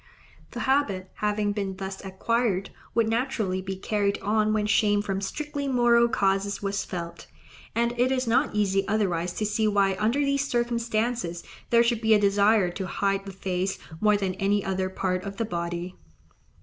The habit having been thus acquired, would naturally be carried on when shame from strictly moral causes was felt; and it is not easy otherwise to see why under these circumstances there should be a desire to hide the face more than any other part of the body.